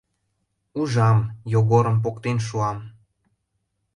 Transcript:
Ужам: Йогорым поктен шуам.